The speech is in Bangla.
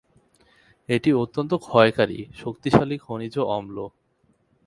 এটি অত্যন্ত ক্ষয়কারী, শক্তিশালী খনিজ অম্ল।